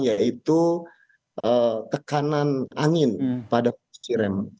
yaitu tekanan angin pada posisi rem